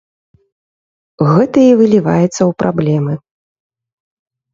Гэта і выліваецца ў праблемы.